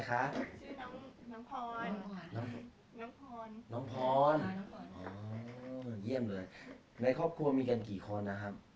ตัดภาพมาเนียน